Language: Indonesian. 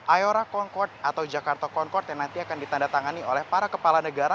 ayora concord atau jakarta concord yang nanti akan ditandatangani oleh para kepala negara